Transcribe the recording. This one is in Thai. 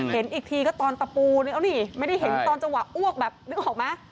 เห็นอีกทีก็ตอนตะปูนึงเอานี่ไม่ได้เห็นตอนจังหวะอ้วกแบบนึกออกไหม